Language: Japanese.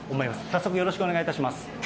早速よろしくお願いいたします。